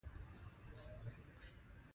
اوبه تودې شوي دي .